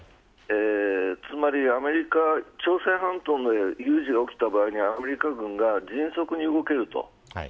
つまり朝鮮半島で有事が起きた場合アメリカ軍が迅速に動けると。